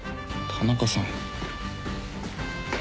田中さん。